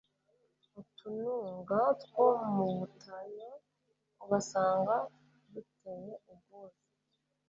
utununga two mu butayo ugasanga duteye ubwuzu